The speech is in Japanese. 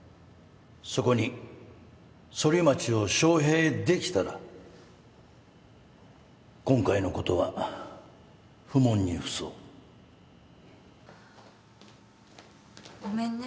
そこにソリマチを招聘できたら今回のことは不問に付そうごめんね。